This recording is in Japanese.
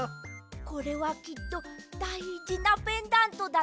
これはきっとだいじなペンダントだね。